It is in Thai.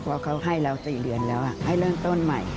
เพราะเขาให้เรา๔เดือนแล้วให้เริ่มต้นใหม่